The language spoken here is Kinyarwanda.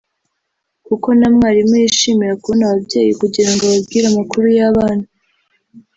kuko na mwarimu yishimira kubona ababyeyi kugirango ababwire amakuru y’abana